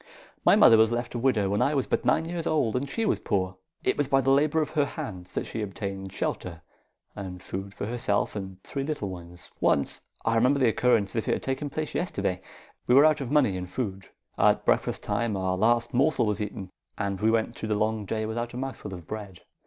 My mother was left a widow when I was but nine years old and she was poor. It was by the labour of her hands that she obtained shelter and food for herself and three little ones. "Once, I remember the occurrence as if it had taken place yesterday, we were out of money and food. At breakfast time our last morsel was eaten, and we went through the long day without a mouthful of bread.